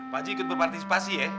pak ji ikut berpartisipasi ya